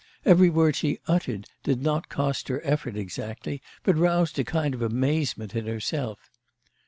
Every word she uttered did not cost her effort exactly, but roused a kind of amazement in herself.